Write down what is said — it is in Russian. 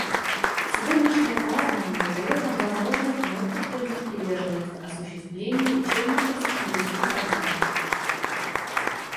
Сегодняшнее празднование дает нам возможность вновь подтвердить приверженность осуществлению учебно-просветительских программ.